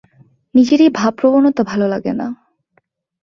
নিজের এই ভাবপ্রবণতা ভালো লাগে না।